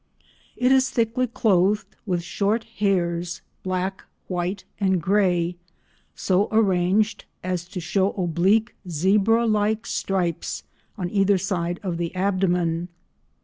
It is thickly clothed with short hairs—black, white, and grey—so arranged as to show oblique zebra like stripes on either side of the abdomen.